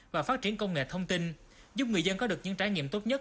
và phát triển công nghệ thông tin giúp người dân có được những trải nghiệm tốt nhất